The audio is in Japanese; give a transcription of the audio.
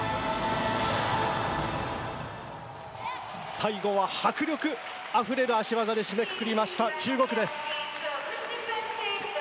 最後は迫力あふれる脚技で締めくくりました、中国です。